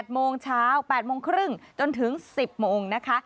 โมงเช้า๘โมงครึ่งจนถึง๑๐โมงนะคะ